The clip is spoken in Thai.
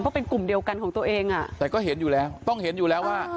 เพราะเป็นกลุ่มเดียวกันของตัวเองอ่ะแต่ก็เห็นอยู่แล้วต้องเห็นอยู่แล้วว่า